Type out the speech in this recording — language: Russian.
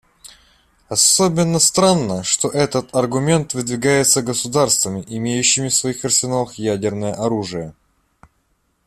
Особенно странно, что этот аргумент выдвигается государствами, имеющими в своих арсеналах ядерное оружие.